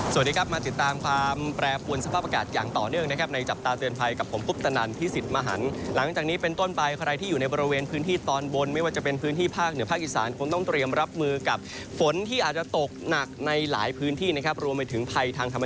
สวัสดีครับมาติดตามความแปรปวนสภาพอากาศอย่างต่อเนื่องนะครับในจับตาเตือนภัยกับผมคุปตนันพิสิทธิ์มหันหลังจากนี้เป็นต้นไปใครที่อยู่ในบริเวณพื้นที่ตอนบนไม่ว่าจะเป็นพื้นที่ภาคเหนือภาคอีสานคงต้องเตรียมรับมือกับฝนที่อาจจะตกหนักในหลายพื้นที่นะครับรวมไปถึงภัยทางธรรม